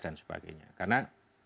dan sebagainya karena